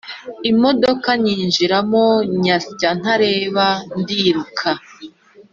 imodoka nyinjiramo nyatsa ntareba ndiruka